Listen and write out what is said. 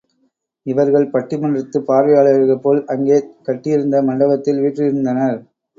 இவர்கள் பட்டிமன்றத்துப் பார்வையாளர்கள் போல் அங்கே கட்டியிருந்த மண்டபத்தில் வீற்றிருந்தனர்.